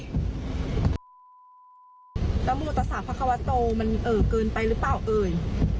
มันเอ่อเกินไปหรือเปล่าเอ่ยสูงมากสูงมากสูงมากโอ้ยตาย